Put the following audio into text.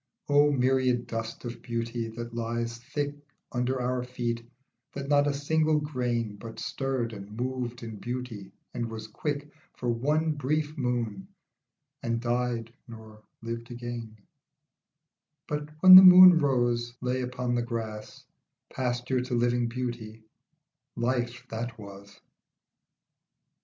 O myriad dust of beauty that lies thick Under our feet that not a single grain But stirred and moved in beauty and was quick For one brief moon and died nor lived again ; But when the moon rose lay upon the grass Pasture to living beauty, life that was.